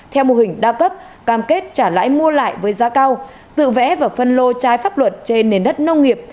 theo mô hình đa cấp cam kết trả lãi mua lại với giá cao tự vẽ và phân lô trái pháp luật trên nền đất nông nghiệp